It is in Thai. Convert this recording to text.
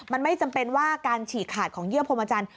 มันไม่จำเป็นว่าการฉีกขาดของเยื่อพรมจันทร์